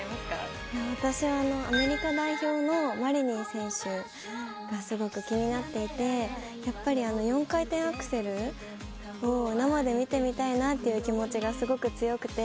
私はアメリカ代表のマリニン選手がすごく気になっていてやっぱり４回転アクセルを生で見てみたいなという気持ちがすごく強くて。